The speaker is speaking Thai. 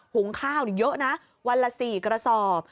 หุงข้าวเยอะนะวันละ๔กระสอบ